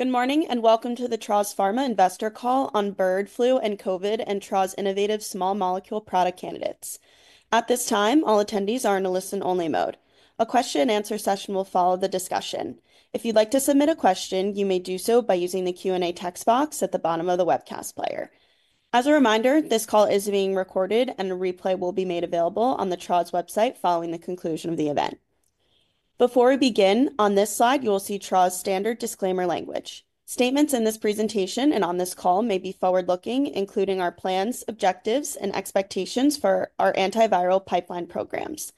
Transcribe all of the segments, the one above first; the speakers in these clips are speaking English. Good morning and welcome to the Traws Pharma Investor Call on bird flu and COVID, and Traws' innovative small molecule product candidates. At this time, all attendees are in a listen-only mode. A question-and-answer session will follow the discussion. If you'd like to submit a question, you may do so by using the Q&A text box at the bottom of the webcast player. As a reminder, this call is being recorded, and a replay will be made available on the Traws website following the conclusion of the event. Before we begin, on this slide, you'll see Traws' standard disclaimer language. Statements in this presentation and on this call may be forward-looking, including our plans, objectives, and expectations for our antiviral pipeline programs.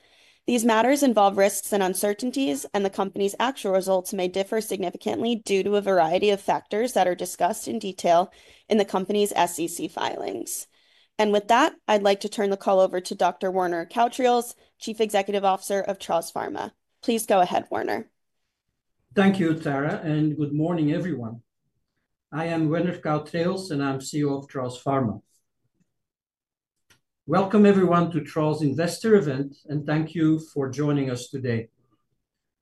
These matters involve risks and uncertainties, and the company's actual results may differ significantly due to a variety of factors that are discussed in detail in the company's SEC filings. With that, I'd like to turn the call over to Dr. Werner Cautreels, Chief Executive Officer of Traws Pharma. Please go ahead, Werner. Thank you, Tara, and good morning, everyone. I am Werner Cautreels, and I'm CEO of Traws Pharma. Welcome, everyone, to Traws' investor event, and thank you for joining us today.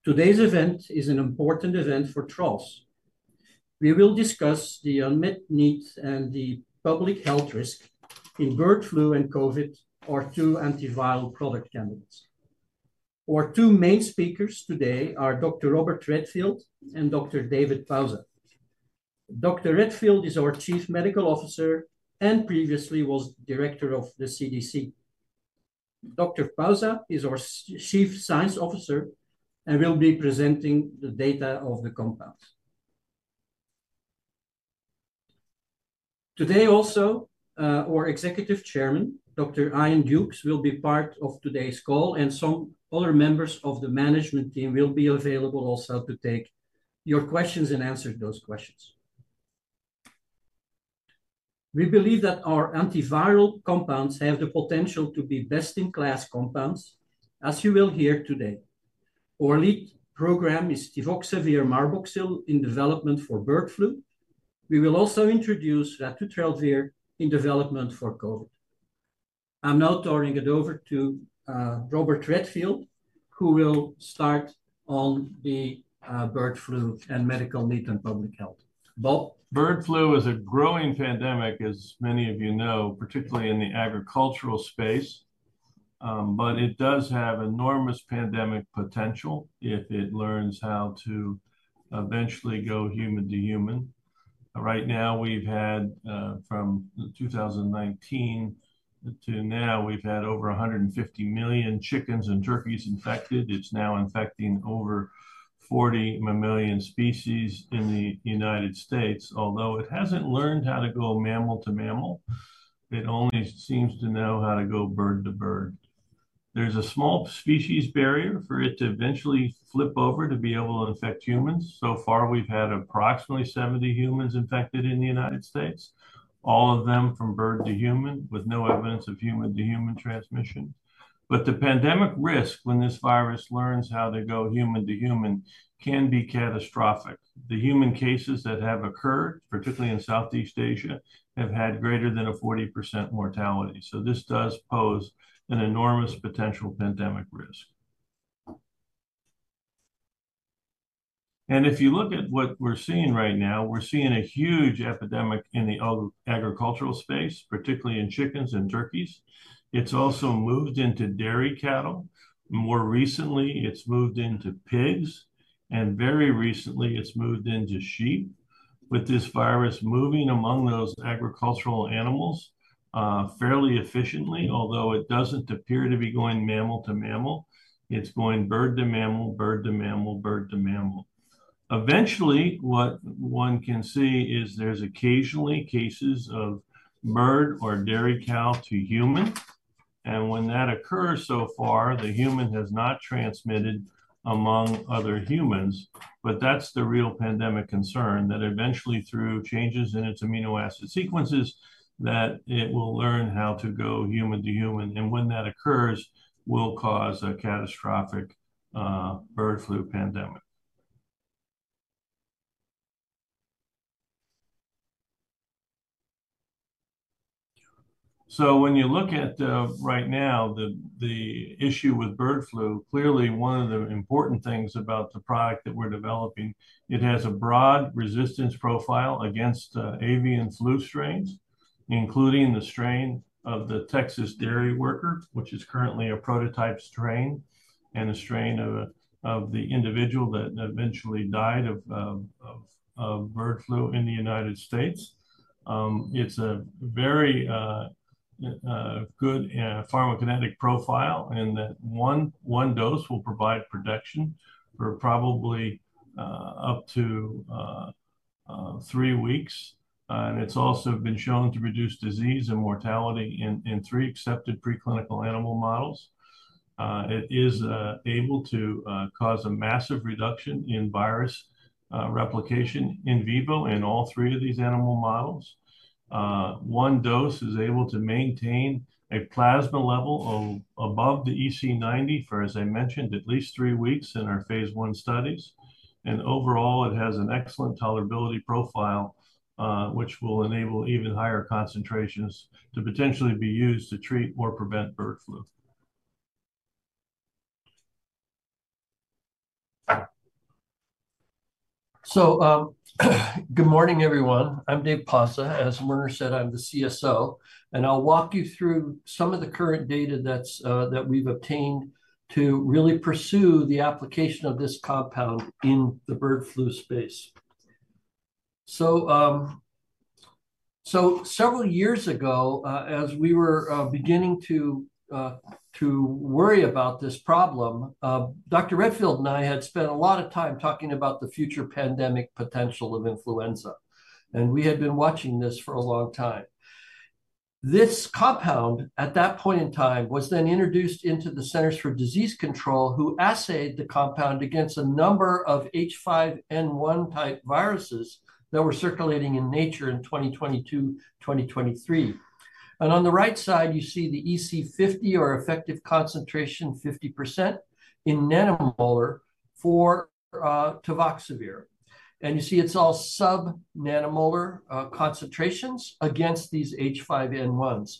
Today's event is an important event for Traws. We will discuss the unmet needs and the public health risk in bird flu and COVID, our two antiviral product candidates. Our two main speakers today are Dr. Robert Redfield and Dr. David Pauza. Dr. Redfield is our Chief Medical Officer and previously was Director of the CDC. Dr. Pauza is our Chief Science Officer and will be presenting the data of the compound. Today also, our Executive Chairman, Dr. Iain Dukes, will be part of today's call, and some other members of the management team will be available also to take your questions and answer those questions. We believe that our antiviral compounds have the potential to be best-in-class compounds, as you will hear today. Our lead program is tivoxavir marboxil in development for bird flu. We will also introduce ratutrelvir in development for COVID. I'm now turning it over to Robert Redfield, who will start on the bird flu and medical needs and public health. Bird flu is a growing pandemic, as many of you know, particularly in the agricultural space, but it does have enormous pandemic potential if it learns how to eventually go human-to-human. Right now, we've had, from 2019 to now, over 150 million chickens and turkeys infected. It's now infecting over 40 million species in the United States. Although it hasn't learned how to go mammal-to-mammal, it only seems to know how to go bird-to-bird. There's a small species barrier for it to eventually flip over to be able to infect humans. So far, we've had approximately 70 humans infected in the United States, all of them from bird-to-human with no evidence of human-to-human transmission. The pandemic risk, when this virus learns how to go human-to-human, can be catastrophic. The human cases that have occurred, particularly in South-east Asia, have had greater than a 40% mortality. This does pose an enormous potential pandemic risk. If you look at what we're seeing right now, we're seeing a huge epidemic in the agricultural space, particularly in chickens and turkeys. It's also moved into dairy cattle. More recently, it's moved into pigs, and very recently, it's moved into sheep, with this virus moving among those agricultural animals fairly efficiently, although it doesn't appear to be going mammal-to-mammal. It's going bird-to-mammal, bird-to-mammal, bird-to-mammal. Eventually, what one can see is there's occasionally cases of bird or dairy cow-to-human. When that occurs, so far, the human has not transmitted among other humans, but that's the real pandemic concern, that eventually, through changes in its amino acid sequences, it will learn how to go human-to-human. When that occurs, it will cause a catastrophic bird flu pandemic. When you look at right now, the issue with bird flu, clearly one of the important things about the product that we're developing, it has a broad resistance profile against avian flu strains, including the strain of the Texas dairy worker, which is currently a prototype strain, and a strain of the individual that eventually died of bird flu in the United States. It's a very good pharmacokinetic profile in that one dose will provide protection for probably up to three weeks. It's also been shown to reduce disease and mortality in three accepted preclinical animal models. It is able to cause a massive reduction in virus replication in vivo in all three of these animal models. One dose is able to maintain a plasma level above the EC90 for, as I mentioned, at least three weeks in our phase one studies. Overall, it has an excellent tolerability profile, which will enable even higher concentrations to potentially be used to treat or prevent bird flu. Good morning, everyone. I'm Dave Pauza. As Werner said, I'm the CSO, and I'll walk you through some of the current data that we've obtained to really pursue the application of this compound in the bird flu space. Several years ago, as we were beginning to worry about this problem, Dr. Redfield and I had spent a lot of time talking about the future pandemic potential of influenza, and we had been watching this for a long time. This compound, at that point in time, was then introduced into the Centers for Disease Control, who assayed the compound against a number of H5N1-type viruses that were circulating in nature in 2022, 2023. On the right side, you see the EC50, or effective concentration 50%, in nanomolar for tivoxavir. You see it's all sub-nanomolar concentrations against these H5N1s.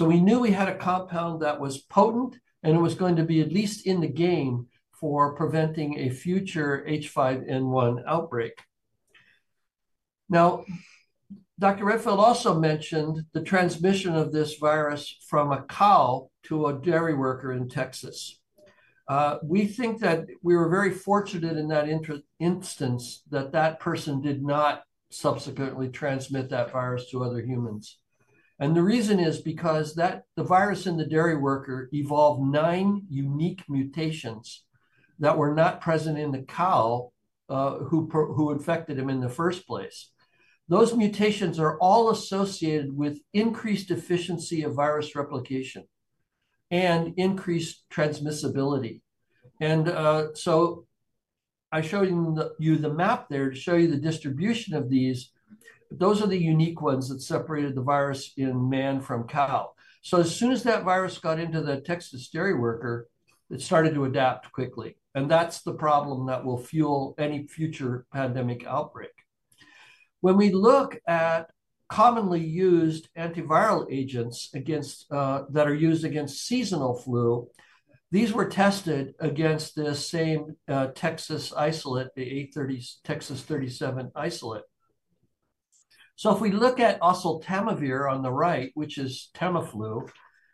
We knew we had a compound that was potent, and it was going to be at least in the game for preventing a future H5N1 outbreak. Dr. Redfield also mentioned the transmission of this virus from a cow to a dairy worker in Texas. We think that we were very fortunate in that instance that that person did not subsequently transmit that virus to other humans. The reason is because the virus in the dairy worker evolved nine unique mutations that were not present in the cow who infected him in the first place. Those mutations are all associated with increased efficiency of virus replication and increased transmissibility. I showed you the map there to show you the distribution of these. Those are the unique ones that separated the virus in man from cow. As soon as that virus got into the Texas dairy worker, it started to adapt quickly. That's the problem that will fuel any future pandemic outbreak. When we look at commonly used antiviral agents that are used against seasonal flu, these were tested against the same Texas isolate, the A30/Texas/37 isolate. If we look at oseltamivir on the right, which is Tamiflu,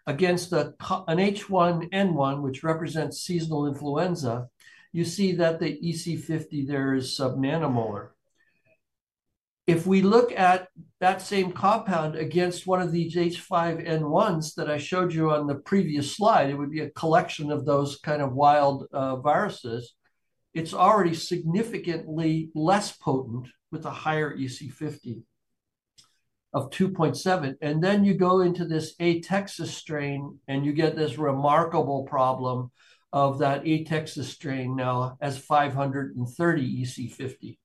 against an H1N1, which represents seasonal influenza, you see that the EC50 there is sub-nanomolar. If we look at that same compound against one of these H5N1s that I showed you on the previous slide, it would be a collection of those kind of wild viruses, it's already significantly less potent with a higher EC50 of 2.7. You go into this A Texas strain, and you get this remarkable problem of that A Texas strain now as 530 EC50.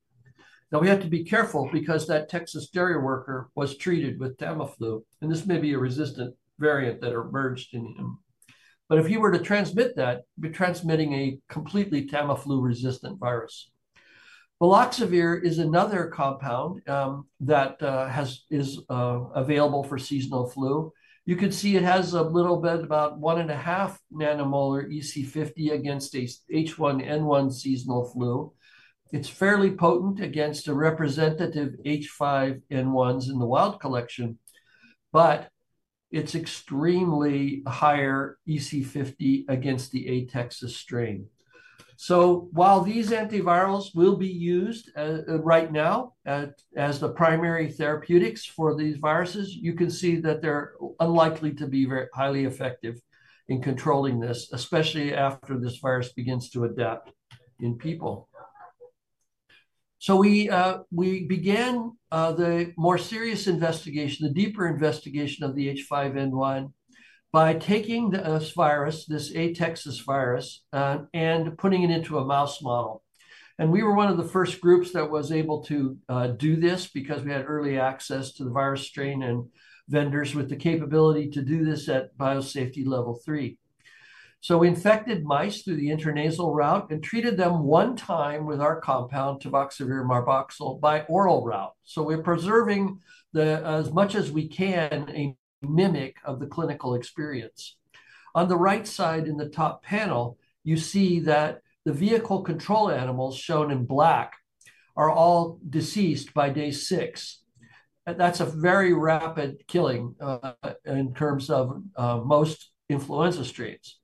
Now, we have to be careful because that Texas dairy worker was treated with Tamiflu, and this may be a resistant variant that emerged in him. If he were to transmit that, you'd be transmitting a completely Tamiflu-resistant virus. Baloxavir is another compound that is available for seasonal flu. You can see it has a little bit about one and a half nanomolar EC50 against H1N1 seasonal flu. It's fairly potent against a representative H5N1s in the wild collection, but it's extremely higher EC50 against the A Texas strain. While these antivirals will be used right now as the primary therapeutics for these viruses, you can see that they're unlikely to be highly effective in controlling this, especially after this virus begins to adapt in people. We began the more serious investigation, the deeper investigation of the H5N1 by taking this virus, this A Texas virus, and putting it into a mouse model. We were one of the first groups that was able to do this because we had early access to the virus strain and vendors with the capability to do this at biosafety level three. We infected mice through the intranasal route and treated them one time with our compound, tivoxavir marboxil, by oral route. We are preserving as much as we can a mimic of the clinical experience. On the right side in the top panel, you see that the vehicle control animals shown in black are all deceased by day six. That is a very rapid killing in terms of most influenza strains.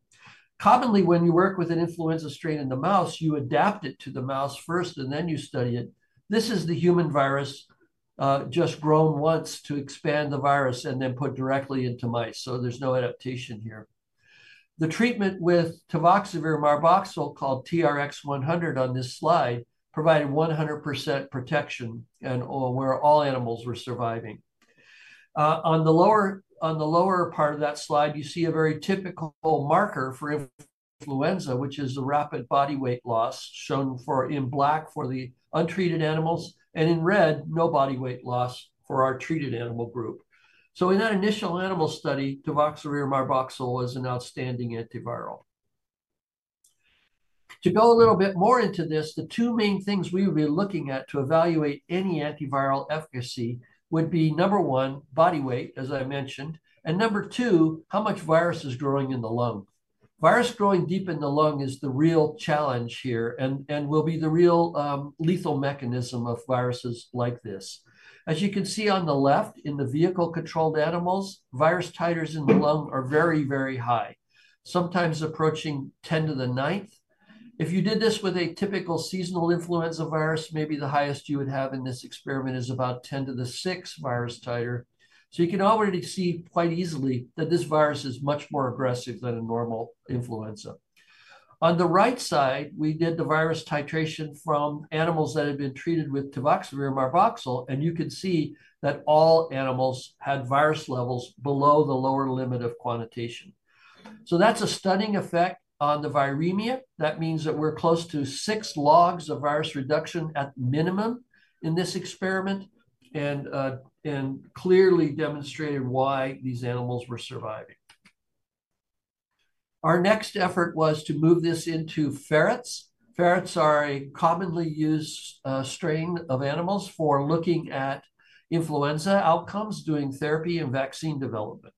Commonly, when you work with an influenza strain in the mouse, you adapt it to the mouse first, and then you study it. This is the human virus just grown once to expand the virus and then put directly into mice. There is no adaptation here. The treatment with tivoxavir marboxil called TRX-100 on this slide provided 100% protection where all animals were surviving. On the lower part of that slide, you see a very typical marker for influenza, which is a rapid body weight loss shown in black for the untreated animals, and in red, no body weight loss for our treated animal group. In that initial animal study, tivoxavir marboxil was an outstanding antiviral. To go a little bit more into this, the two main things we would be looking at to evaluate any antiviral efficacy would be, number one, body weight, as I mentioned, and number two, how much virus is growing in the lung. Virus growing deep in the lung is the real challenge here and will be the real lethal mechanism of viruses like this. As you can see on the left in the vehicle-controlled animals, virus titers in the lung are very, very high, sometimes approaching 10 to the ninth. If you did this with a typical seasonal influenza virus, maybe the highest you would have in this experiment is about 10 to the six virus titer. You can already see quite easily that this virus is much more aggressive than a normal influenza. On the right side, we did the virus titration from animals that had been treated with tivoxavir marboxil, and you can see that all animals had virus levels below the lower limit of quantitation. That's a stunning effect on the viremia. That means that we're close to six logs of virus reduction at minimum in this experiment and clearly demonstrated why these animals were surviving. Our next effort was to move this into ferrets. Ferrets are a commonly used strain of animals for looking at influenza outcomes, doing therapy and vaccine development.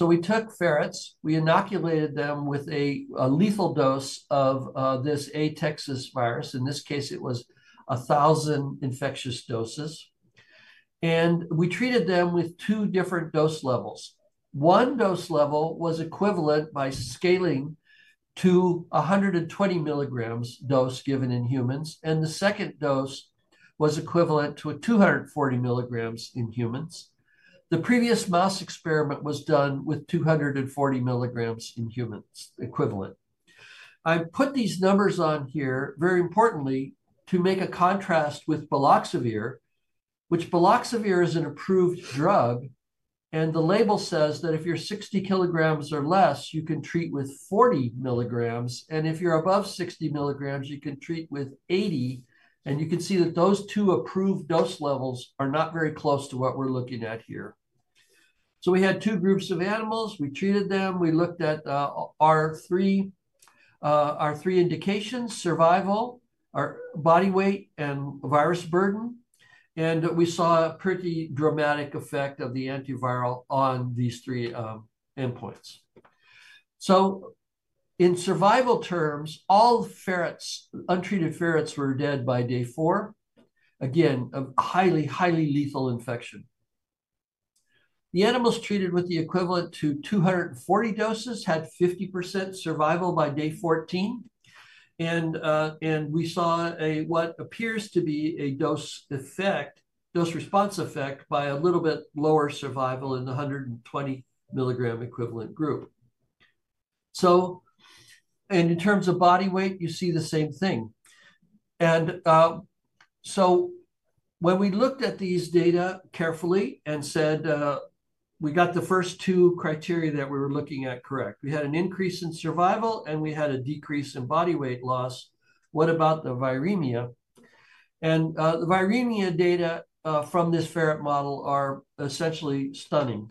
We took ferrets. We inoculated them with a lethal dose of this A Texas virus. In this case, it was 1,000 infectious doses. We treated them with two different dose levels. One dose level was equivalent by scaling to 120 milligrams dose given in humans, and the second dose was equivalent to 240 milligrams in humans. The previous mouse experiment was done with 240 milligrams in humans equivalent. I put these numbers on here very importantly to make a contrast with baloxavir, which baloxavir is an approved drug, and the label says that if you're 60 kilograms or less, you can treat with 40 milligrams, and if you're above 60 kilograms, you can treat with 80. You can see that those two approved dose levels are not very close to what we're looking at here. We had two groups of animals. We treated them. We looked at our three indications: survival, our body weight, and virus burden. We saw a pretty dramatic effect of the antiviral on these three endpoints. In survival terms, all ferrets, untreated ferrets were dead by day four. Again, a highly, highly lethal infection. The animals treated with the equivalent to 240 doses had 50% survival by day 14. We saw what appears to be a dose effect, dose response effect by a little bit lower survival in the 120 milligram equivalent group. In terms of body weight, you see the same thing. When we looked at these data carefully and said we got the first two criteria that we were looking at correct, we had an increase in survival, and we had a decrease in body weight loss. What about the viremia? The viremia data from this ferret model are essentially stunning.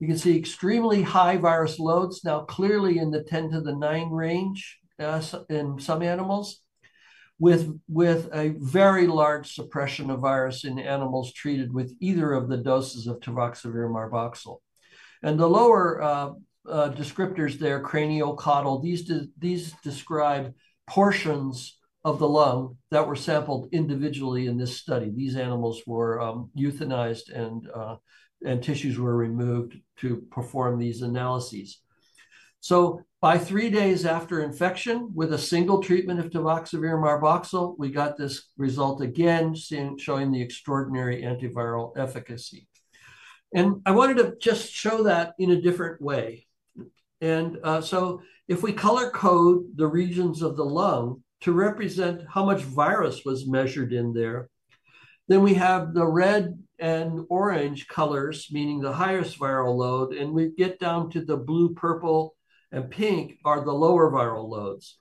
You can see extremely high virus loads now clearly in the 10 to the nine range in some animals with a very large suppression of virus in animals treated with either of the doses of tivoxavir marboxil. The lower descriptors there, craniocaudal, describe portions of the lung that were sampled individually in this study. These animals were euthanized and tissues were removed to perform these analyses. By three days after infection with a single treatment of tivoxavir marboxil, we got this result again showing the extraordinary antiviral efficacy. I wanted to just show that in a different way. If we color code the regions of the lung to represent how much virus was measured in there, then we have the red and orange colors, meaning the highest viral load, and we get down to the blue, purple, and pink, which are the lower viral loads.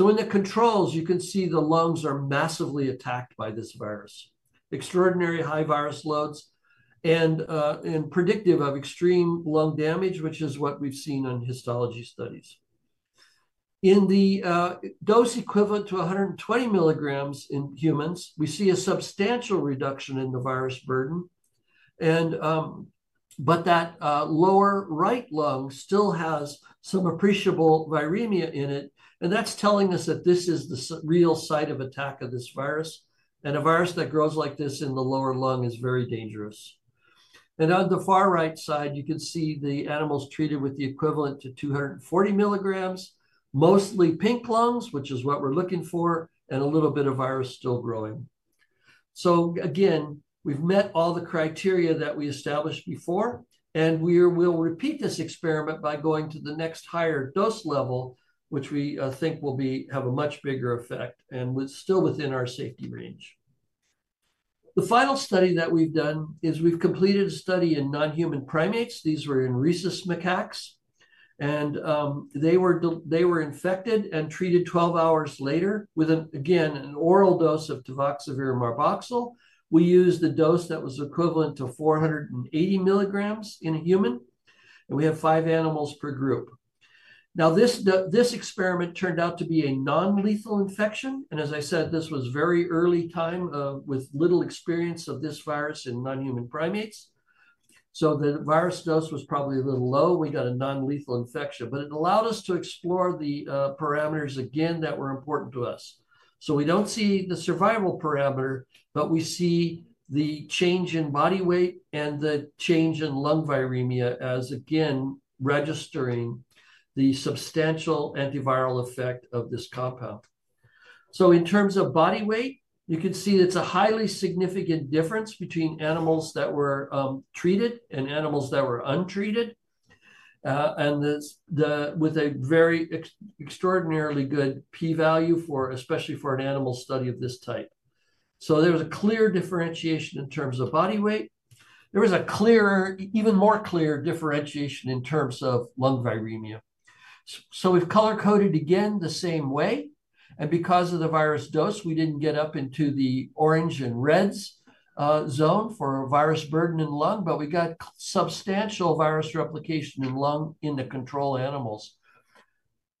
In the controls, you can see the lungs are massively attacked by this virus, extraordinary high virus loads, and predictive of extreme lung damage, which is what we've seen in histology studies. In the dose equivalent to 120 milligrams in humans, we see a substantial reduction in the virus burden, but that lower right lung still has some appreciable viremia in it. That's telling us that this is the real site of attack of this virus. A virus that grows like this in the lower lung is very dangerous. On the far right side, you can see the animals treated with the equivalent to 240 milligrams, mostly pink lungs, which is what we're looking for, and a little bit of virus still growing. Again, we've met all the criteria that we established before, and we will repeat this experiment by going to the next higher dose level, which we think will have a much bigger effect and still within our safety range. The final study that we've done is we've completed a study in non-human primates. These were in Rhesus macaques. They were infected and treated 12 hours later with, again, an oral dose of tivoxavir marboxil. We used the dose that was equivalent to 480 milligrams in a human. We have five animals per group. This experiment turned out to be a non-lethal infection. As I said, this was very early time with little experience of this virus in non-human primates. The virus dose was probably a little low. We got a non-lethal infection, but it allowed us to explore the parameters again that were important to us. We do not see the survival parameter, but we see the change in body weight and the change in lung viremia as, again, registering the substantial antiviral effect of this compound. In terms of body weight, you can see it is a highly significant difference between animals that were treated and animals that were untreated with a very extraordinarily good p-value, especially for an animal study of this type. There was a clear differentiation in terms of body weight. There was a clear, even more clear differentiation in terms of lung viremia. We have color coded again the same way. Because of the virus dose, we did not get up into the orange and reds zone for virus burden in lung, but we got substantial virus replication in lung in the control animals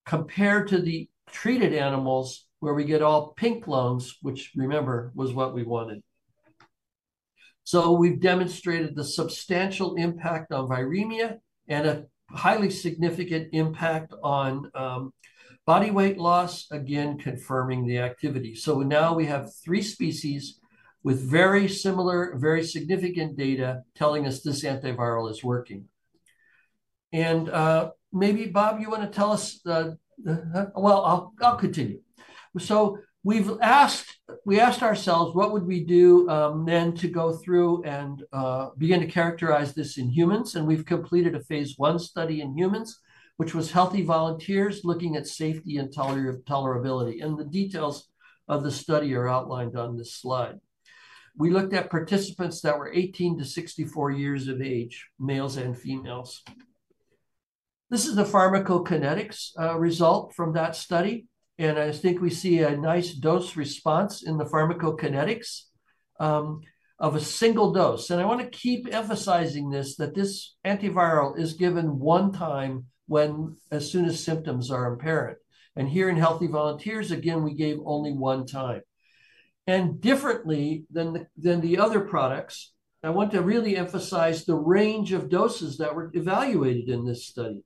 compared to the treated animals where we get all pink lungs, which, remember, was what we wanted. We have demonstrated the substantial impact on viremia and a highly significant impact on body weight loss, again, confirming the activity. Now we have three species with very similar, very significant data telling us this antiviral is working. Maybe, Bob, you want to tell us the-well, I will continue. We asked ourselves, what would we do then to go through and begin to characterize this in humans? We have completed a phase one study in humans, which was healthy volunteers looking at safety and tolerability. The details of the study are outlined on this slide. We looked at participants that were 18 to 64 years of age, males and females. This is the pharmacokinetics result from that study. I think we see a nice dose response in the pharmacokinetics of a single dose. I want to keep emphasizing this, that this antiviral is given one time as soon as symptoms are apparent. Here in healthy volunteers, again, we gave only one time. Differently than the other products, I want to really emphasize the range of doses that were evaluated in this study.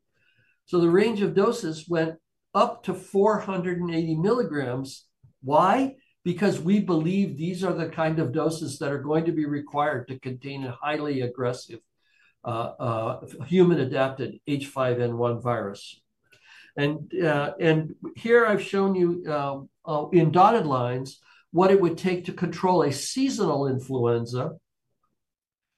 The range of doses went up to 480 milligrams. Why? Because we believe these are the kind of doses that are going to be required to contain a highly aggressive human-adapted H5N1 virus. Here I've shown you in dotted lines what it would take to control a seasonal influenza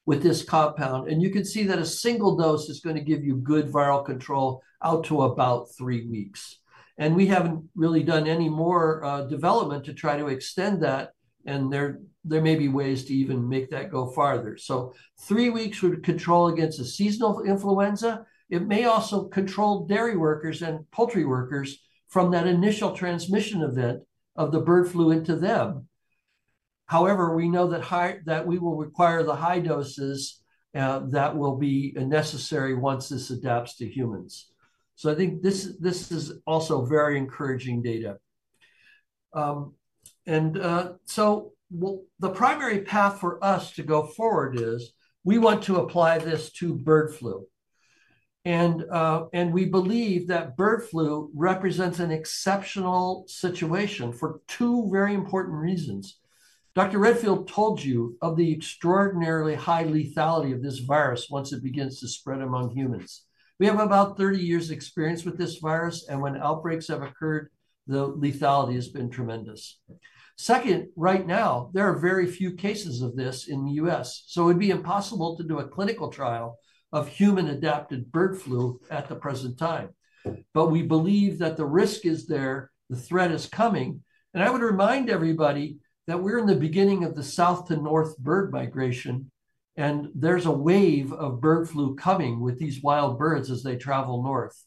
withT this compound. You can see that a single dose is going to give you good viral control out to about three weeks. We haven't really done any more development to try to extend that. There may be ways to even make that go farther. Three weeks would control against a seasonal influenza. It may also control dairy workers and poultry workers from that initial transmission event of the bird flu into them. However, we know that we will require the high doses that will be necessary once this adapts to humans. I think this is also very encouraging data. The primary path for us to go forward is we want to apply this to bird flu. We believe that bird flu represents an exceptional situation for two very important reasons. Dr. Redfield told you of the extraordinarily high lethality of this virus once it begins to spread among humans. We have about 30 years' experience with this virus. And when outbreaks have occurred, the lethality has been tremendous. Second, right now, there are very few cases of this in the US It would be impossible to do a clinical trial of human-adapted bird flu at the present time. We believe that the risk is there, the threat is coming. I would remind everybody that we're in the beginning of the south to north bird migration. There's a wave of bird flu coming with these wild birds as they travel north.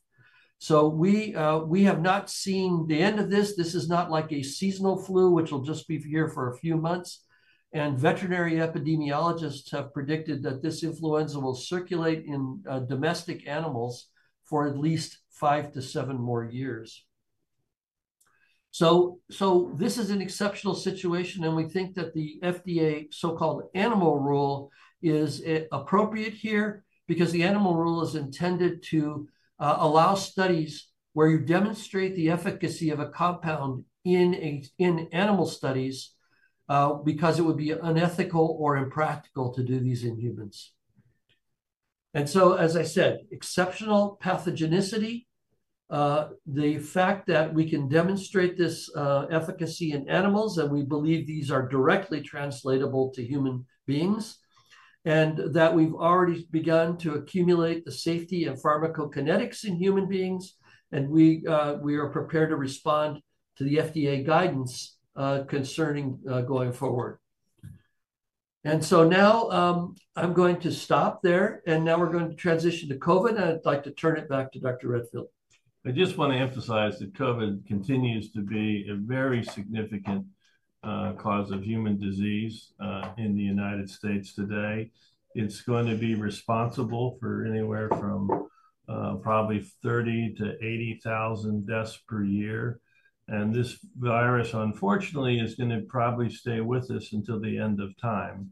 We have not seen the end of this. This is not like a seasonal flu, which will just be here for a few months. Veterinary epidemiologists have predicted that this influenza will circulate in domestic animals for at least five to seven more years. This is an exceptional situation. We think that the FDA so-called animal rule is appropriate here because the animal rule is intended to allow studies where you demonstrate the efficacy of a compound in animal studies because it would be unethical or impractical to do these in humans. As I said, exceptional pathogenicity, the fact that we can demonstrate this efficacy in animals, and we believe these are directly translatable to human beings, and that we've already begun to accumulate the safety of pharmacokinetics in human beings, and we are prepared to respond to the FDA guidance concerning going forward. Now I'm going to stop there. Now we're going to transition to COVID. I'd like to turn it back to Dr. Redfield I just want to emphasize that COVID continues to be a very significant cause of human disease in the United States today. It's going to be responsible for anywhere from probably 30,000 to 80,000 deaths per year. This virus, unfortunately, is going to probably stay with us until the end of time.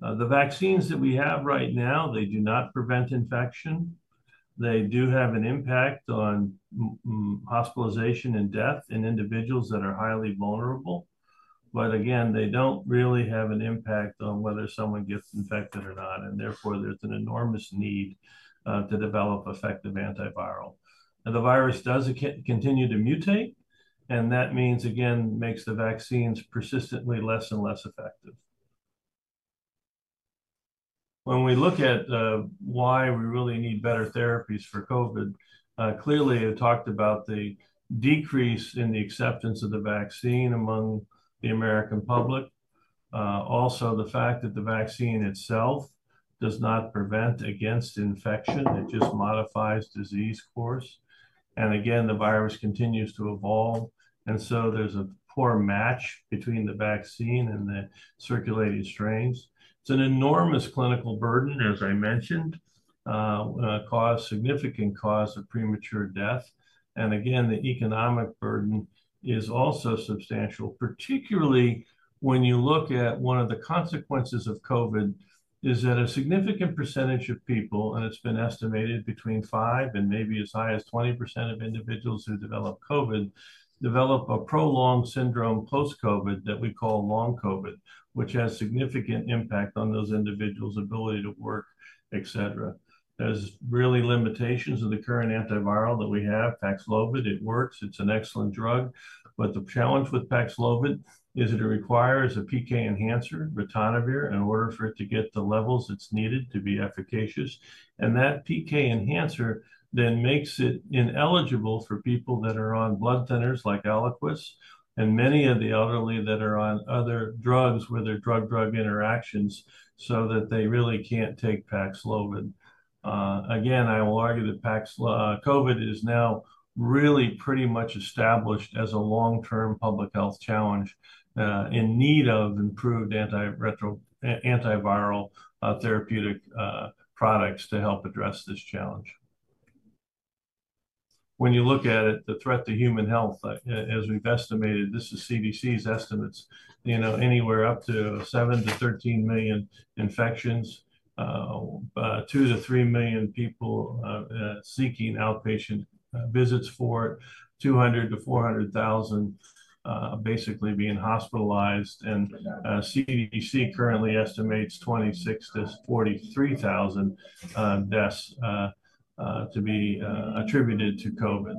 The vaccines that we have right now, they do not prevent infection. They do have an impact on hospitalization and death in individuals that are highly vulnerable. Again, they don't really have an impact on whether someone gets infected or not. Therefore, there's an enormous need to develop effective antiviral. The virus does continue to mutate. That means, again, makes the vaccines persistently less and less effective. When we look at why we really need better therapies for COVID, clearly, I talked about the decrease in the acceptance of the vaccine among the American public. Also, the fact that the vaccine itself does not prevent against infection. It just modifies disease course. The virus continues to evolve. There is a poor match between the vaccine and the circulating strains. It is an enormous clinical burden, as I mentioned, caused significant cause of premature death. The economic burden is also substantial, particularly when you look at one of the consequences of COVID, which is that a significant percentage of people, and it has been estimated between 5% and maybe as high as 20% of individuals who develop COVID develop a prolonged syndrome post-COVID that we call Long COVID, which has significant impact on those individuals' ability to work, etc. There's really limitations of the current antiviral that we have, Paxlovid. It works. It's an excellent drug. The challenge with Paxlovid is it requires a PK enhancer, ritonavir, in order for it to get the levels it's needed to be efficacious. That PK enhancer then makes it ineligible for people that are on blood thinners like Eliquis and many of the elderly that are on other drugs where there are drug-drug interactions so that they really can't take Paxlovid. Again, I will argue that COVID is now really pretty much established as a long-term public health challenge in need of improved antiviral therapeutic products to help address this challenge. When you look at it, the threat to human health, as we've estimated, this is CDC's estimates, anywhere up to 7 to 13 million infections, 2 to 3 million people seeking outpatient visits for it, 200,000 to 400,000 basically being hospitalized. CDC currently estimates 26,000 to 43,000 deaths to be attributed to COVID.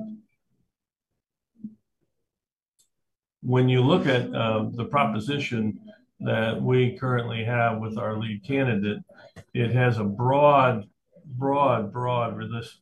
When you look at the proposition that we currently have with our lead candidate, it has a broad, broad, broad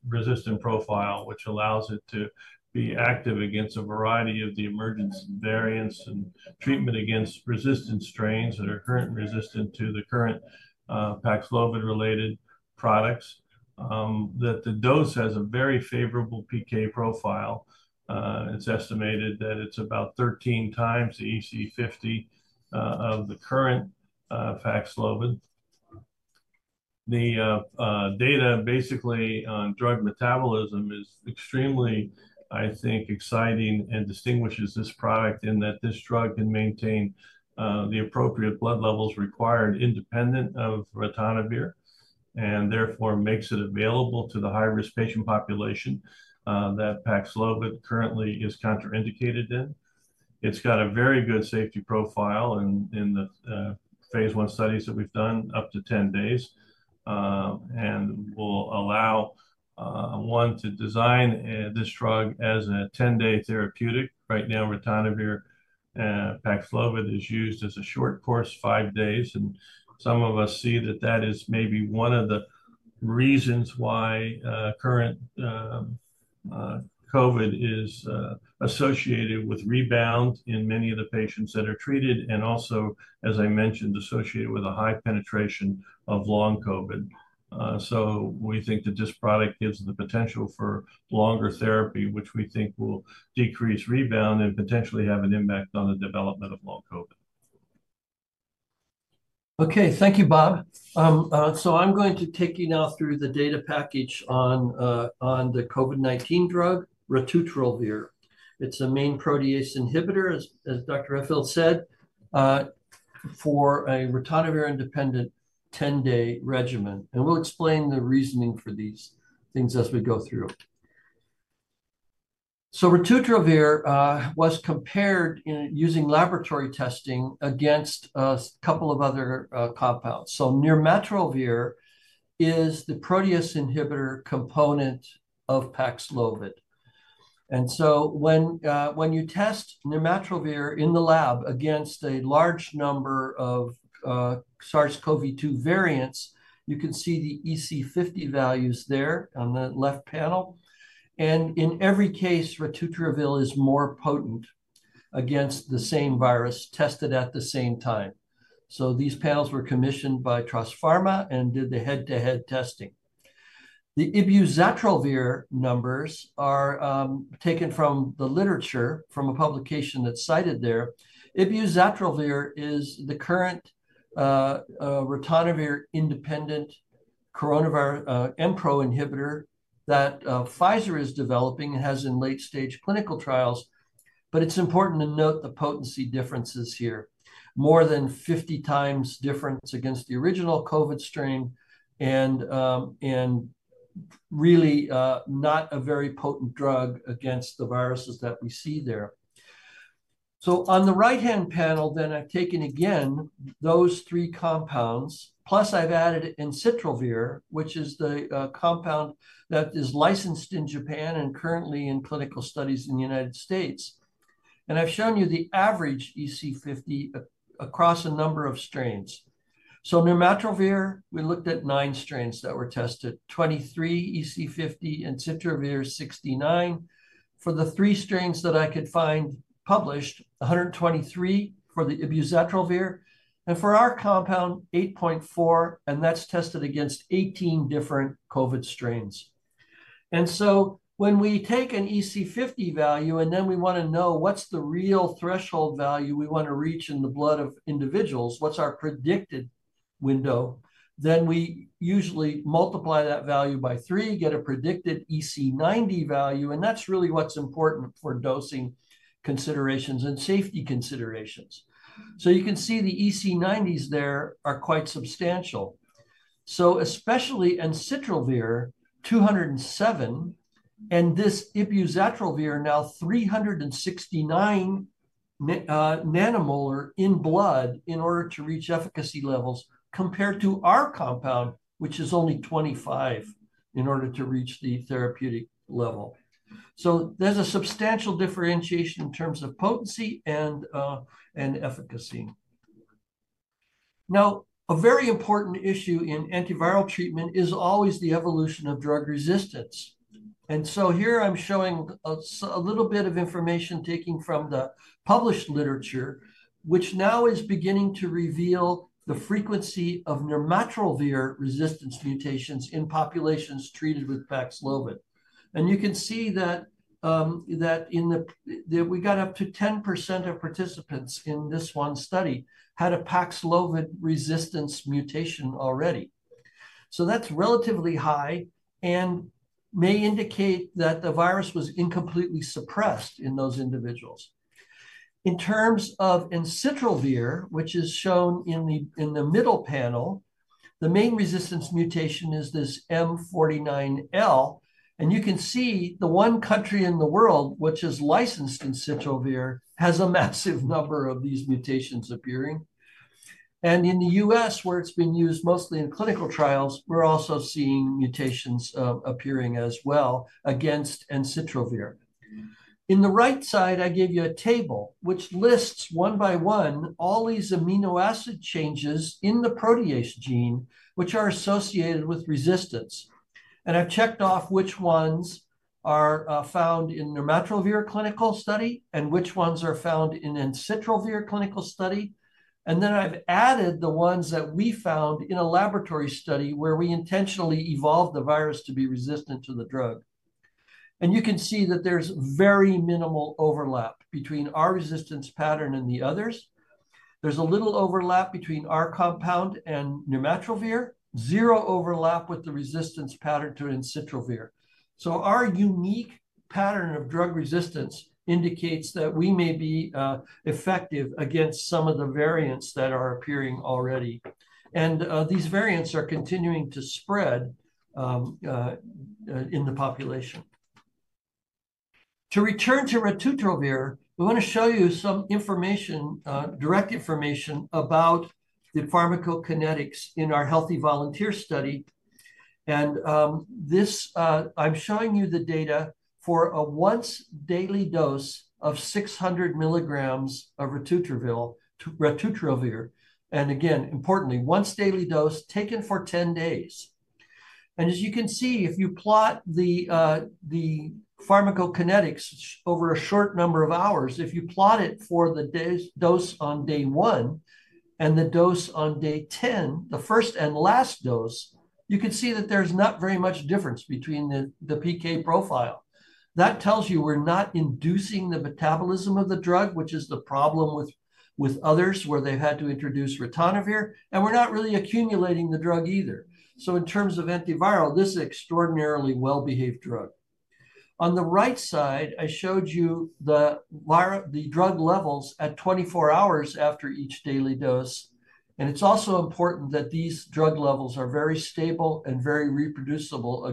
resistant profile, which allows it to be active against a variety of the emergency variants and treatment against resistant strains that are currently resistant to the current Paxlovid-related products, that the dose has a very favorable PK profile. It's estimated that it's about 13 times the EC50 of the current Paxlovid. The data basically on drug metabolism is extremely, I think, exciting and distinguishes this product in that this drug can maintain the appropriate blood levels required independent of ritonavir and therefore makes it available to the high-risk patient population that Paxlovid currently is contraindicated in. It's got a very good safety profile in the phase one studies that we've done up to 10 days and will allow one to design this drug as a 10-day therapeutic. Right now, ritonavir and Paxlovid is used as a short course, five days. Some of us see that that is maybe one of the reasons why current COVID is associated with rebound in many of the patients that are treated and also, as I mentioned, associated with a high penetration of Long COVID. We think that this product gives the potential for longer therapy, which we think will decrease rebound and potentially have an impact on the development of Long COVID. Okay. Thank you, Bob. I'm going to take you now through the data package on the COVID-19 drug, Ratutrelvir, its main protease inhibitor, as Dr. Redfield said, for a ritonavir-independent 10-day regimen. We'll explain the reasoning for these things as we go through. Ratutrelvir was compared using laboratory testing against a couple of other compounds. Nirmatrelvir is the protease inhibitor component of Paxlovid. When you test nirmatrelvir in the lab against a large number of SARS-CoV-2 variants, you can see the EC50 values there on the left panel. In every case, ratutrelvir is more potent against the same virus tested at the same time. These panels were commissioned by Traws Pharma and did the head-to-head testing. The ibuzatrelvir numbers are taken from the literature from a publication that's cited there. Ibuzatrelvir is the current ritonavir-independent coronavirus Mpro inhibitor that Pfizer is developing and has in late-stage clinical trials. It's important to note the potency differences here, more than 50 times difference against the original COVID strain and really not a very potent drug against the viruses that we see there. On the right-hand panel, I have taken again those three compounds, plus I have added ensitrelvir, which is the compound that is licensed in Japan and currently in clinical studies in the United States. I have shown you the average EC50 across a number of strains. Nirmatrelvir, we looked at nine strains that were tested, 23 EC50, ensitrelvir, 69. For the three strains that I could find published, 123 for the ibuzatrelvir, and for our compound, 8.4, and that is tested against 18 different COVID strains. When we take an EC50 value and then we want to know what's the real threshold value we want to reach in the blood of individuals, what's our predicted window, we usually multiply that value by three, get a predicted EC90 value. That's really what's important for dosing considerations and safety considerations. You can see the EC90s there are quite substantial. Especially ensitrelvir, 207, and this ibuzatrelvir, now 369 nanomolar in blood in order to reach efficacy levels compared to our compound, which is only 25 in order to reach the therapeutic level. There's a substantial differentiation in terms of potency and efficacy. A very important issue in antiviral treatment is always the evolution of drug resistance. Here I'm showing a little bit of information taken from the published literature, which now is beginning to reveal the frequency of nirmatrelvir resistance mutations in populations treated with Paxlovid. You can see that we got up to 10% of participants in this one study had a Paxlovid resistance mutation already. That's relatively high and may indicate that the virus was incompletely suppressed in those individuals. In terms of ensitrelvir, which is shown in the middle panel, the main resistance mutation is this M49L. You can see the one country in the world which is licensed ensitrelvir has a massive number of these mutations appearing. In the US, where it's been used mostly in clinical trials, we're also seeing mutations appearing as well against ensitrelvir. In the right side, I give you a table which lists one by one all these amino acid changes in the protease gene which are associated with resistance. I have checked off which ones are found in nirmatrelvir clinical study and which ones are found in ensitrelvir clinical study. I have added the ones that we found in a laboratory study where we intentionally evolved the virus to be resistant to the drug. You can see that there is very minimal overlap between our resistance pattern and the others. There is a little overlap between our compound and nirmatrelvir, zero overlap with the resistance pattern to ensitrelvir. Our unique pattern of drug resistance indicates that we may be effective against some of the variants that are appearing already. These variants are continuing to spread in the population. To return to ratutrelvir, we want to show you some information, direct information about the pharmacokinetics in our Healthy Volunteer study. I'm showing you the data for a once-daily dose of 600 milligrams of ratutrelvir and again, importantly, once-daily dose taken for 10 days. As you can see, if you plot the pharmacokinetics over a short number of hours, if you plot it for the dose on day one and the dose on day 10, the first and last dose, you can see that there's not very much difference between the PK profile. That tells you we're not inducing the metabolism of the drug, which is the problem with others where they've had to introduce ritonavir, and we're not really accumulating the drug either. In terms of antiviral, this is an extraordinarily well-behaved drug. On the right side, I showed you the drug levels at 24 hours after each daily dose. It is also important that these drug levels are very stable and very reproducible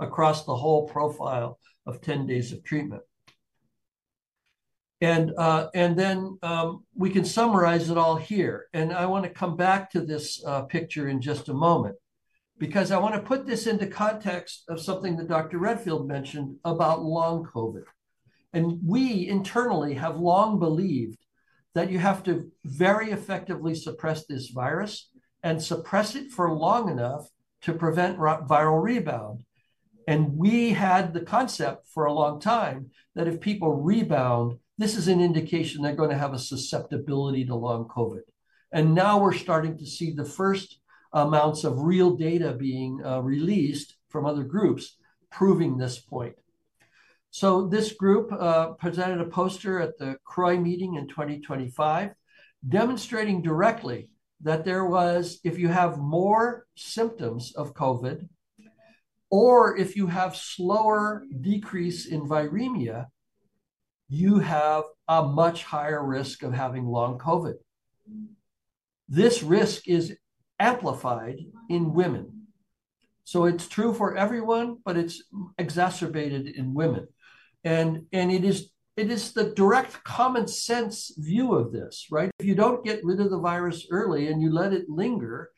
across the whole profile of 10 days of treatment. We can summarize it all here. I want to come back to this picture in just a moment because I want to put this into context of something that Dr. Redfield mentioned about Long COVID. We internally have long believed that you have to very effectively suppress this virus and suppress it for long enough to prevent viral rebound. We had the concept for a long time that if people rebound, this is an indication they're going to have a susceptibility to Long COVID. Now we're starting to see the first amounts of real data being released from other groups proving this point. This group presented a poster at the CROI meeting in 2025 demonstrating directly that if you have more symptoms of COVID or if you have slower decrease in viremia, you have a much higher risk of having Long COVID. This risk is amplified in women. It is true for everyone, but it is exacerbated in women. It is the direct common sense view of this, right? If you do not get rid of the virus early and you let it linger,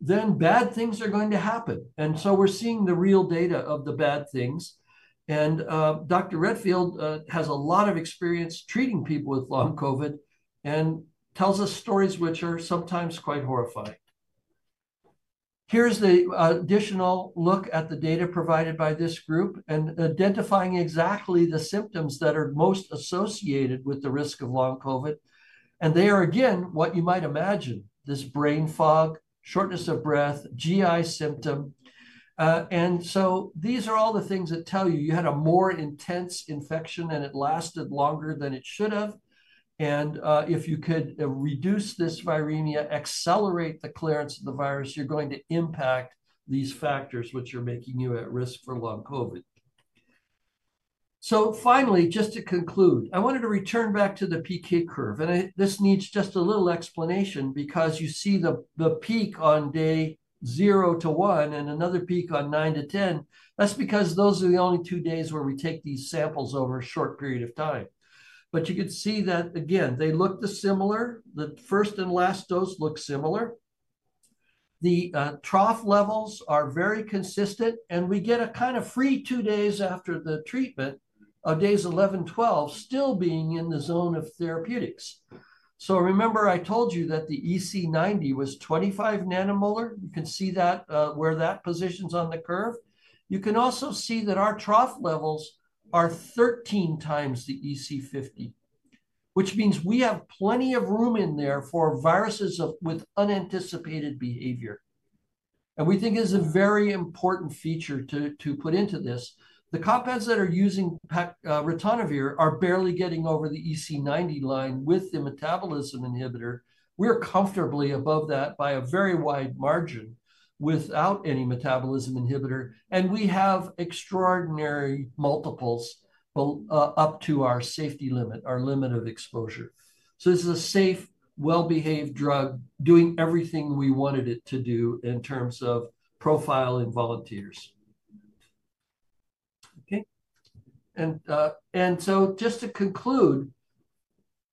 then bad things are going to happen. We are seeing the real data of the bad things. Dr. Redfield has a lot of experience treating people with Long COVID and tells us stories which are sometimes quite horrifying. Here is the additional look at the data provided by this group and identifying exactly the symptoms that are most associated with the risk of Long COVID. They are, again, what you might imagine, this brain fog, shortness of breath, GI symptom. These are all the things that tell you you had a more intense infection and it lasted longer than it should have. If you could reduce this viremia, accelerate the clearance of the virus, you're going to impact these factors which are making you at risk for Long COVID. Finally, just to conclude, I wanted to return back to the PK curve. This needs just a little explanation because you see the peak on day zero to one and another peak on nine to 10. That's because those are the only two days where we take these samples over a short period of time. You can see that, again, they look similar. The first and last dose look similar. The trough levels are very consistent, and we get a kind of free two days after the treatment of days 11, 12 still being in the zone of therapeutics. Remember, I told you that the EC90 was 25 nanomolar. You can see that where that positions on the curve. You can also see that our trough levels are 13 times the EC50, which means we have plenty of room in there for viruses with unanticipated behavior. We think it's a very important feature to put into this. The compounds that are using ritonavir are barely getting over the EC90 line with the metabolism inhibitor. We're comfortably above that by a very wide margin without any metabolism inhibitor. We have extraordinary multiples up to our safety limit, our limit of exposure. This is a safe, well-behaved drug doing everything we wanted it to do in terms of profile and volunteers. Okay. Just to conclude,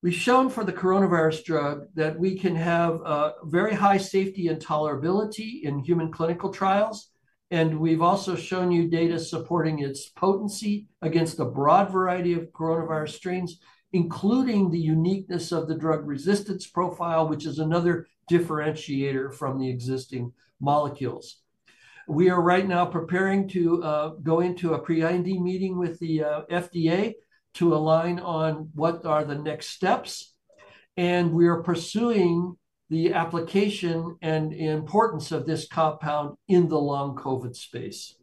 we've shown for the coronavirus drug that we can have very high safety and tolerability in human clinical trials. We've also shown you data supporting its potency against a broad variety of coronavirus strains, including the uniqueness of the drug resistance profile, which is another differentiator from the existing molecules. We are right now preparing to go into a pre-IND meeting with the FDA to align on what are the next steps. We are pursuing the application and importance of this compound in the Long COVID space.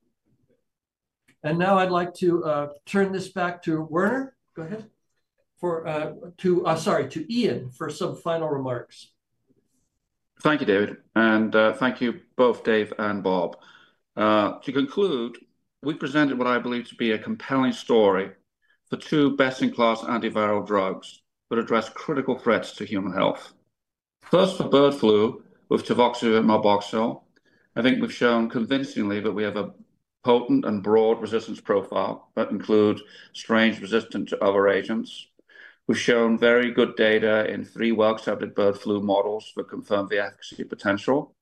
Now I'd like to turn this back to Werner. Go ahead. Sorry, to Lain for some final remarks. Thank you, David. And thank you both, Dave and Bob. To conclude, we presented what I believe to be a compelling story for two best-in-class antiviral drugs that address critical threats to human health. First, for bird flu with tivoxavir marboxil. I think we've shown convincingly that we have a potent and broad resistance profile that includes strains resistant to other agents. We've shown very good data in three well-accepted bird flu models that confirm the efficacy potential.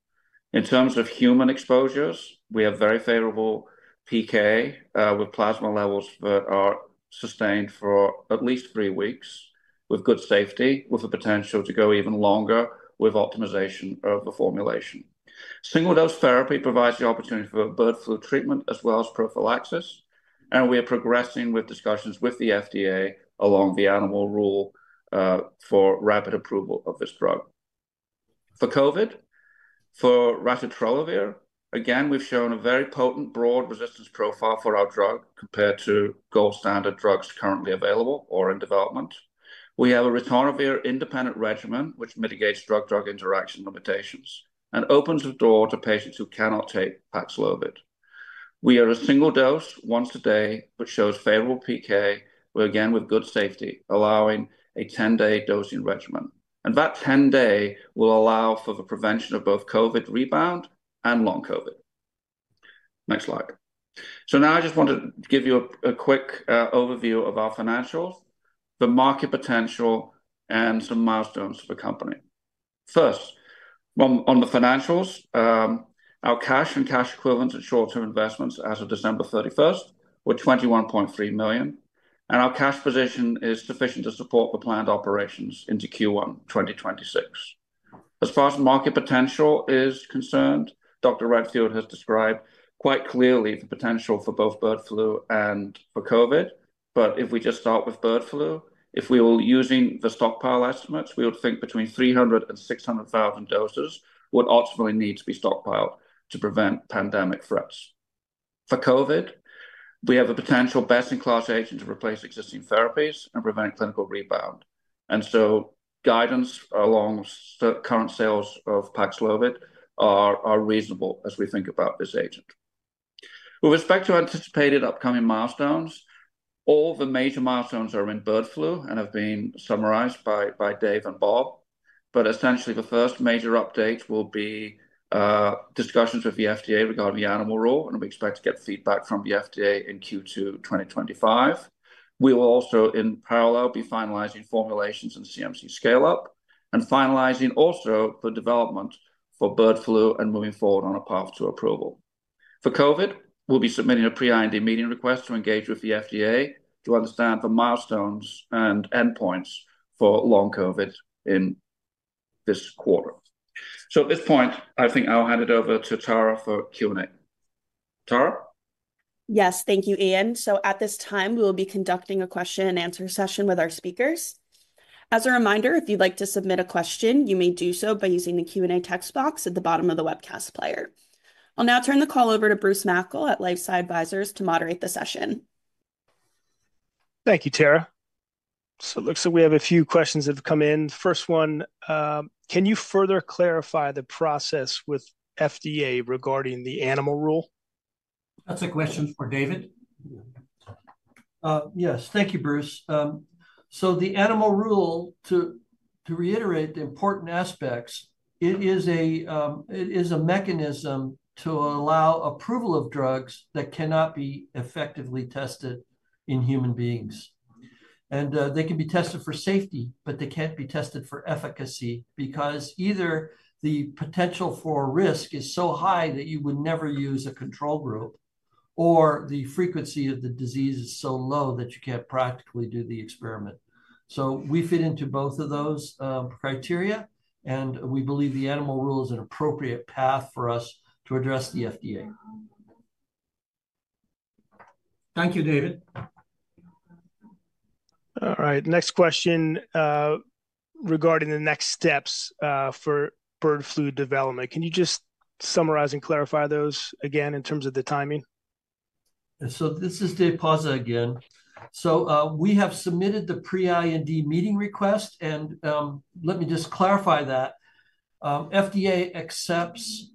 In terms of human exposures, we have very favorable PK with plasma levels that are sustained for at least three weeks with good safety, with the potential to go even longer with optimization of the formulation. Single-dose therapy provides the opportunity for bird flu treatment as well as prophylaxis. We are progressing with discussions with the FDA along the Animal Rule for rapid approval of this drug. For COVID, for Ratutrelvir, again, we've shown a very potent broad resistance profile for our drug compared to gold standard drugs currently available or in development. We have a ritonavir independent regimen which mitigates drug-drug interaction limitations and opens the door to patients who cannot take Paxlovid. We are a single dose once a day, which shows favorable PK, where again, with good safety, allowing a 10-day dosing regimen. That 10-day will allow for the prevention of both COVID rebound and Long COVID. Next slide. Now I just want to give you a quick overview of our financials, the market potential, and some milestones for the company. First, on the financials, our cash and cash equivalents and short-term investments as of 31 December were $21.3 million. Our cash position is sufficient to support the planned operations into Q1 2026. As far as market potential is concerned, Dr. Redfield has described quite clearly the potential for both bird flu and for COVID. If we just start with bird flu, if we were using the stockpile estimates, we would think between 300,000 and 600,000 doses would ultimately need to be stockpiled to prevent pandemic threats. For COVID, we have a potential best-in-class agent to replace existing therapies and prevent clinical rebound. Guidance along current sales of Paxlovid are reasonable as we think about this agent. With respect to anticipated upcoming milestones, all the major milestones are in bird flu and have been summarized by Dave and Bob. Essentially, the first major update will be discussions with the FDA regarding the Animal Rule. We expect to get feedback from the FDA in Q2 2025. We will also, in parallel, be finalizing formulations and CMC scale-up and finalizing also the development for bird flu and moving forward on a path to approval. For COVID, we'll be submitting a pre-IND meeting request to engage with the FDA to understand the milestones and endpoints for Long COVID in this quarter. At this point, I think I'll hand it over to Tara for Q&A. Tara? Yes, thank you, Lain. At this time, we will be conducting a question-and-answer session with our speakers. As a reminder, if you'd like to submit a question, you may do so by using the Q&A text box at the bottom of the webcast player. I'll now turn the call over to Bruce Mackle at LifeSci Advisors to moderate the session. Thank you, Tara. It looks like we have a few questions that have come in. First one, can you further clarify the process with FDA regarding the Animal Rule? That's a question for David. Yes, thank you, Bruce. The Animal Rule, to reiterate the important aspects, it is a mechanism to allow approval of drugs that cannot be effectively tested in human beings. They can be tested for safety, but they can't be tested for efficacy because either the potential for risk is so high that you would never use a control group, or the frequency of the disease is so low that you can't practically do the experiment. We fit into both of those criteria, and we believe the Animal Rule is an appropriate path for us to address the FDA. Thank you, David. All right. Next question regarding the next steps for bird flu development. Can you just summarize and clarify those again in terms of the timing? This is Dave Pauza again. We have submitted the pre-IND meeting request. Let me just clarify that. FDA accepts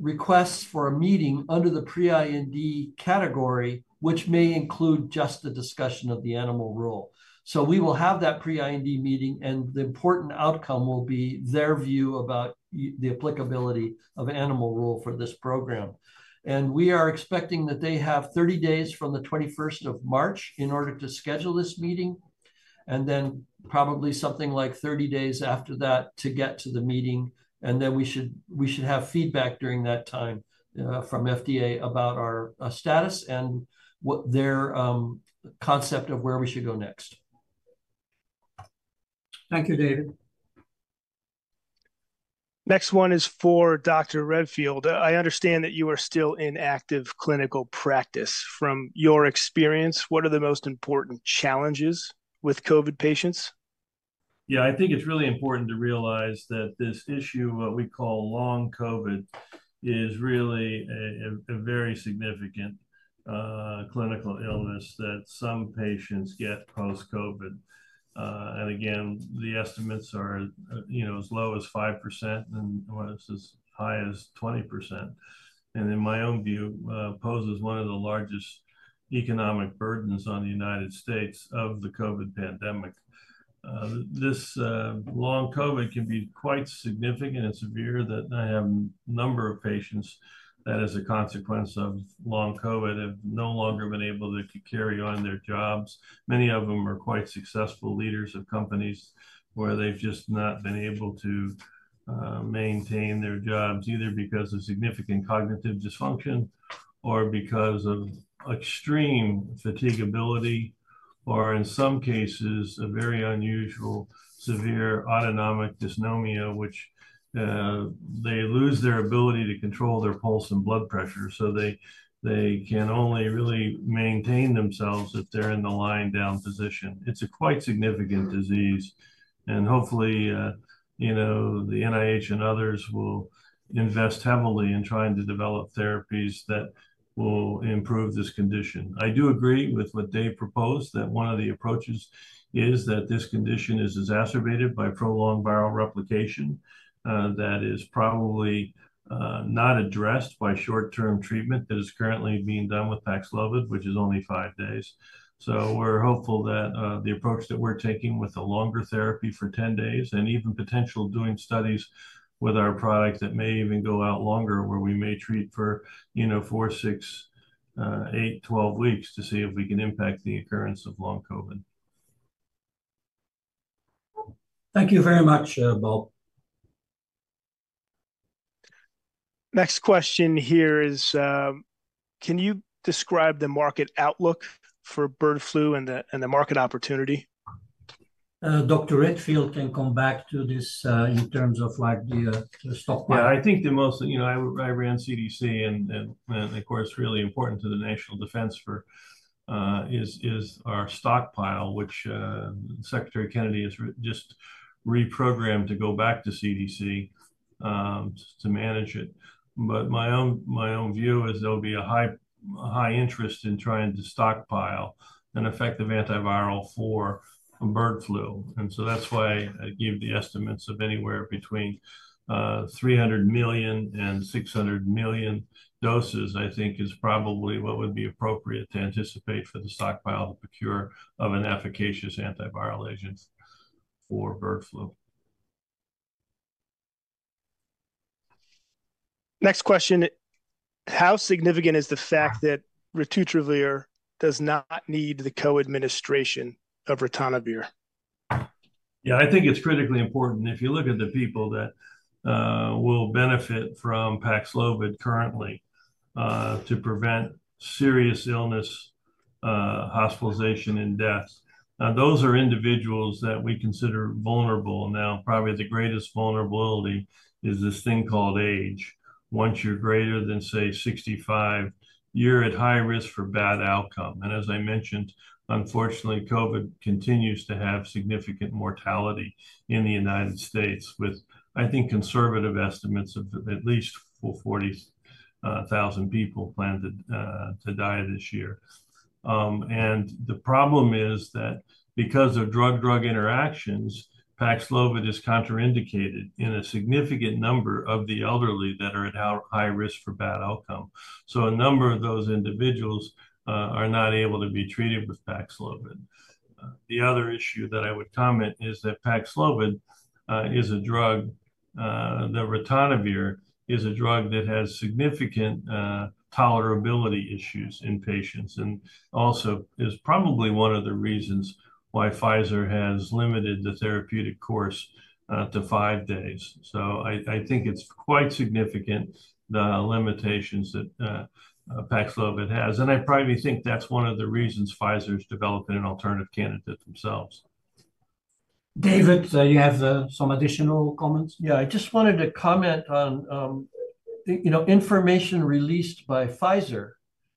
requests for a meeting under the pre-IND category, which may include just the discussion of the Animal Rule. We will have that pre-IND meeting, and the important outcome will be their view about the applicability of Animal Rule for this program. We are expecting that they have 30 days from the 21st of March in order to schedule this meeting, and then probably something like 30 days after that to get to the meeting. We should have feedback during that time from FDA about our status and their concept of where we should go next. Thank you, David. Next one is for Dr. Redfield. I understand that you are still in active clinical practice. From your experience, what are the most important challenges with COVID patients? Yeah, I think it's really important to realize that this issue, what we call Long COVID, is really a very significant clinical illness that some patients get post-COVID. Again, the estimates are as low as 5% and as high as 20%. In my own view, it poses one of the largest economic burdens on the United States of the COVID pandemic. This Long COVID can be quite significant and severe. I have a number of patients that, as a consequence of Long COVID, have no longer been able to carry on their jobs. Many of them are quite successful leaders of companies where they've just not been able to maintain their jobs either because of significant cognitive dysfunction or because of extreme fatigability or, in some cases, a very unusual severe autonomic dysnomia, which they lose their ability to control their pulse and blood pressure. They can only really maintain themselves if they're in the lying down position. It's a quite significant disease. Hopefully, the NIH and others will invest heavily in trying to develop therapies that will improve this condition. I do agree with what they proposed that one of the approaches is that this condition is exacerbated by prolonged viral replication that is probably not addressed by short-term treatment that is currently being done with Paxlovid, which is only five days. We're hopeful that the approach that we're taking with a longer therapy for 10 days and even potential doing studies with our product that may even go out longer where we may treat for four, six, eight, twelve weeks to see if we can impact the occurrence of Long COVID. Thank you very much, Bob. Next question here is, can you describe the market outlook for bird flu and the market opportunity? Dr. Redfield can come back to this in terms of the stockpile. Yeah, I think the most I ran CDC and, of course, really important to the national defense is our stockpile, which Secretary Kennedy has just reprogrammed to go back to CDC to manage it. My own view is there'll be a high interest in trying to stockpile an effective antiviral for bird flu. That's why I gave the estimates of anywhere between 300 million and 600 million doses, I think, is probably what would be appropriate to anticipate for the stockpile to procure of an efficacious antiviral agent for bird flu. Next question. How significant is the fact that ratutrelvir does not need the co-administration of ritonavir? Yeah, I think it's critically important. If you look at the people that will benefit from Paxlovid currently to prevent serious illness, hospitalization, and deaths, those are individuals that we consider vulnerable. Now, probably the greatest vulnerability is this thing called age. Once you're greater than, say, 65, you're at high risk for bad outcome. As I mentioned, unfortunately, COVID continues to have significant mortality in the United States with, I think, conservative estimates of at least 40,000 people planned to die this year. The problem is that because of drug-drug interactions, Paxlovid is contraindicated in a significant number of the elderly that are at high risk for bad outcome. A number of those individuals are not able to be treated with Paxlovid. The other issue that I would comment is that Paxlovid is a drug, the ritonavir is a drug that has significant tolerability issues in patients and also is probably one of the reasons why Pfizer has limited the therapeutic course to five days. I think it's quite significant, the limitations that Paxlovid has. I probably think that's one of the reasons Pfizer is developing an alternative candidate themselves. David, you have some additional comments? Yeah, I just wanted to comment on information released by Pfizer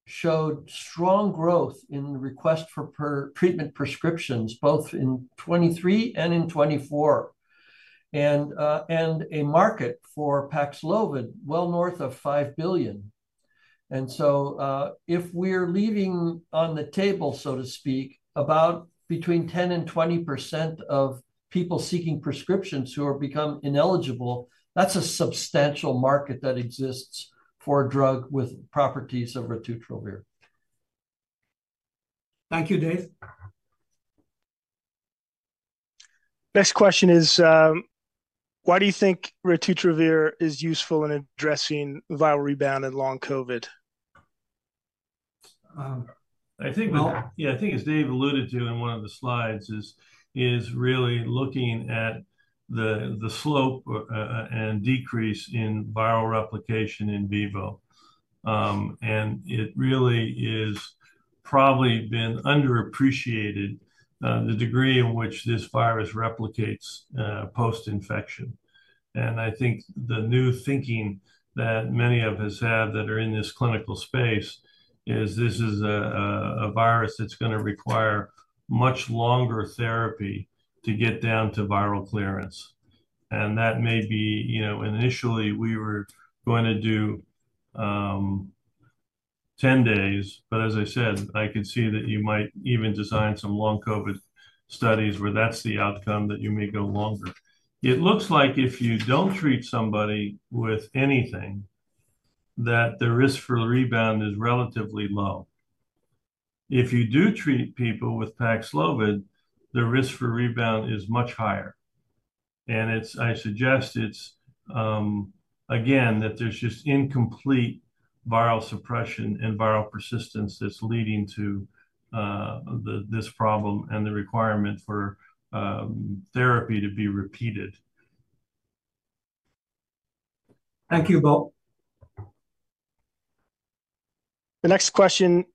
showed strong growth in request for treatment prescriptions both in 2023 and in 2024 and a market for Paxlovid well north of $5 billion. If we're leaving on the table, so to speak, about between 10% and 20% of people seeking prescriptions who have become ineligible, that's a substantial market that exists for a drug with properties of ratutrelvir. Thank you, Dave. Next question is, why do you think ratutrelvir is useful in addressing viral rebound and Long COVID? I think, yeah, I think as Dave alluded to in one of the slides, is really looking at the slope and decrease in viral replication in vivo. It really has probably been underappreciated the degree in which this virus replicates post-infection. I think the new thinking that many of us have that are in this clinical space is this is a virus that's going to require much longer therapy to get down to viral clearance. That may be initially we were going to do 10 days. As I said, I could see that you might even design some Long COVID studies where that's the outcome, that you may go longer. It looks like if you don't treat somebody with anything, the risk for rebound is relatively low. If you do treat people with Paxlovid, the risk for rebound is much higher. I suggest it's, again, that there's just incomplete viral suppression and viral persistence that's leading to this problem and the requirement for therapy to be repeated. Thank you, Bob. The next question,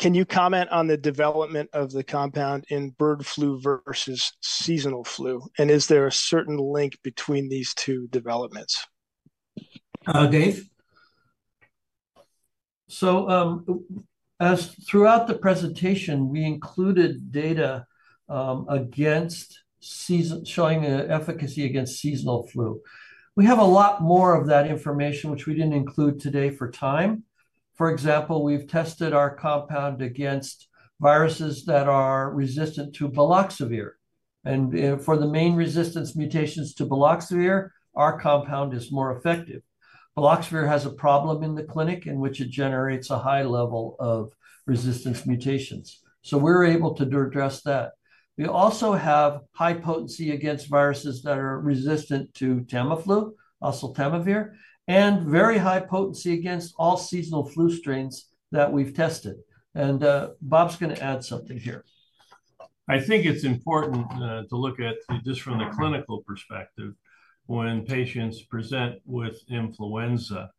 can you comment on the development of the compound in bird flu versus seasonal flu? Is there a certain link between these two developments? Dave? Throughout the presentation, we included data showing efficacy against seasonal flu. We have a lot more of that information, which we did not include today for time. For example, we have tested our compound against viruses that are resistant to baloxavir. For the main resistance mutations to baloxavir, our compound is more effective. baloxavir has a problem in the clinic in which it generates a high level of resistance mutations. We are able to address that. We also have high potency against viruses that are resistant to Tamiflu, also oseltamivir, and very high potency against all seasonal flu strains that we have tested. Bob is going to add something here. I think it's important to look at just from the clinical perspective when patients present with influenza.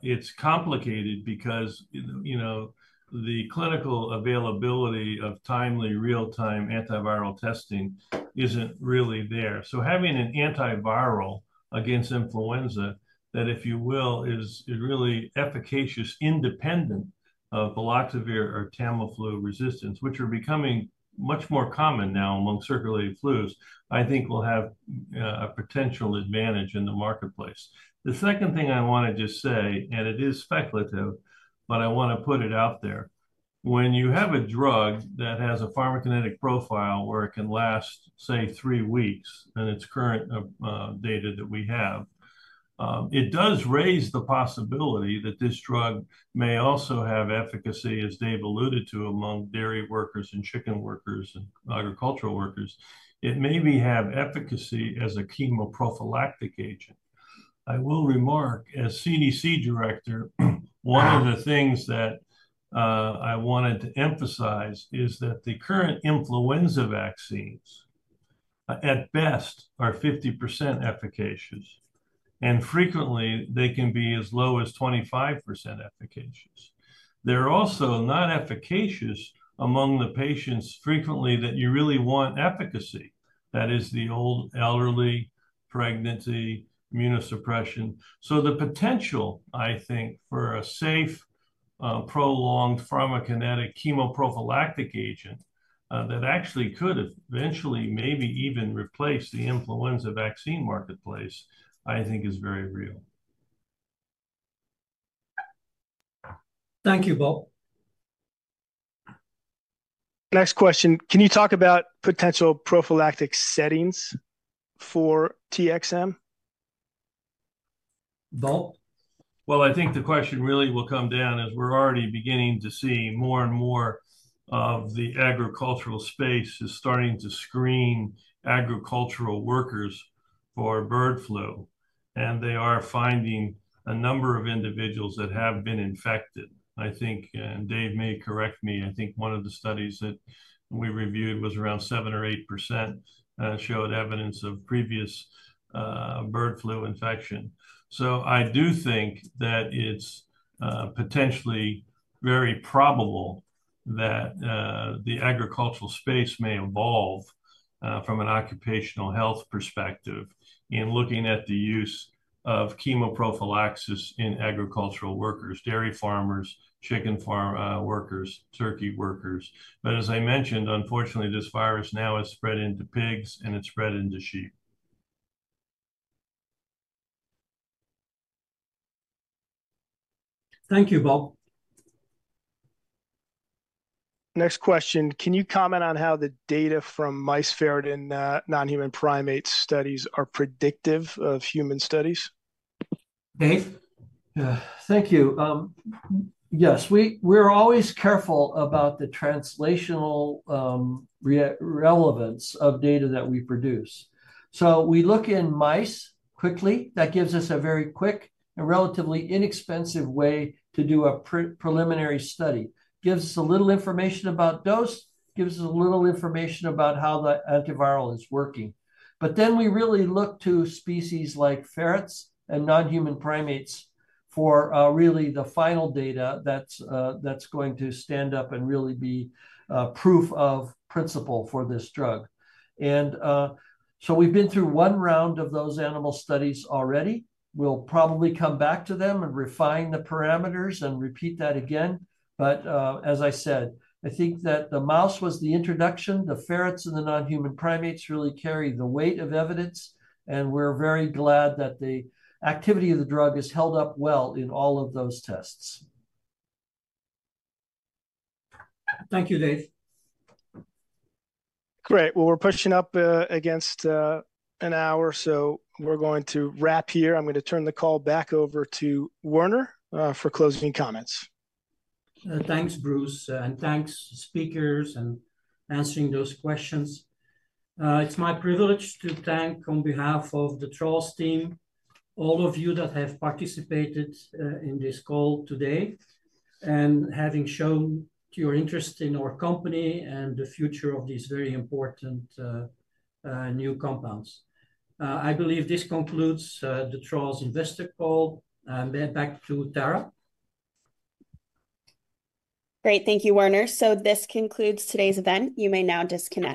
It's complicated because the clinical availability of timely, real-time antiviral testing isn't really there. Having an antiviral against influenza that, if you will, is really efficacious independent of baloxavir or Tamiflu resistance, which are becoming much more common now among circulating flus, I think will have a potential advantage in the marketplace. The second thing I want to just say, and it is speculative, but I want to put it out there. When you have a drug that has a pharmacokinetic profile where it can last, say, three weeks in its current data that we have, it does raise the possibility that this drug may also have efficacy, as Dave alluded to, among dairy workers and chicken workers and agricultural workers. It maybe have efficacy as a chemoprophylactic agent. I will remark, as CDC Director, one of the things that I wanted to emphasize is that the current influenza vaccines, at best, are 50% efficacious. Frequently, they can be as low as 25% efficacious. They're also not efficacious among the patients frequently that you really want efficacy. That is the old, elderly, pregnancy, immunosuppression. The potential, I think, for a safe prolonged pharmacokinetic chemoprophylactic agent that actually could eventually maybe even replace the influenza vaccine marketplace, I think, is very real. Thank you, Bob. Next question. Can you talk about potential prophylactic settings for? Bob? I think the question really will come down as we're already beginning to see more and more of the agricultural space is starting to screen agricultural workers for bird flu. They are finding a number of individuals that have been infected. I think, and Dave may correct me, I think one of the studies that we reviewed was around 7% or 8% showed evidence of previous bird flu infection. I do think that it's potentially very probable that the agricultural space may evolve from an occupational health perspective in looking at the use of chemoprophylaxis in agricultural workers, dairy farmers, chicken workers, turkey workers. As I mentioned, unfortunately, this virus now has spread into pigs and it's spread into sheep. Thank you, Bob. Next question. Can you comment on how the data from mice, ferret, and non-human primate studies are predictive of human studies? Dave? Thank you. Yes, we're always careful about the translational relevance of data that we produce. We look in mice quickly. That gives us a very quick and relatively inexpensive way to do a preliminary study. It gives us a little information about dose. It gives us a little information about how the antiviral is working. We really look to species like ferrets and non-human primates for really the final data that's going to stand up and really be proof of principle for this drug. We have been through one round of those animal studies already. We'll probably come back to them and refine the parameters and repeat that again. As I said, I think that the mouse was the introduction. The ferrets and the non-human primates really carry the weight of evidence. We are very glad that the activity of the drug has held up well in all of those tests. Thank you, Dave. Great. We are pushing up against an hour. So we are going to wrap here. I am going to turn the call back over to Werner for closing comments. Thanks, Bruce. Thanks, speakers, and answering those questions. It's my privilege to thank on behalf of the Traws team all of you that have participated in this call today and having shown your interest in our company and the future of these very important new compounds. I believe this concludes the Traws investor call. I'll get back to Tara. Great. Thank you, Werner. This concludes today's event. You may now disconnect.